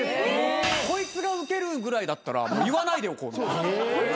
こいつがウケるぐらいだったら言わないでおこう。